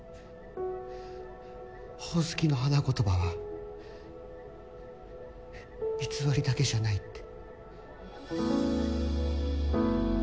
ホオズキの花言葉は偽りだけじゃないって。